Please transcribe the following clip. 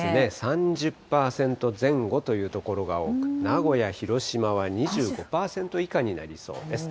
３０パーセント前後という所が多く、名古屋、広島は２５％以下になりそうです。